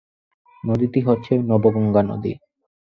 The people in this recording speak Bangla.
নদীটি হচ্ছে নবগঙ্গা নদী।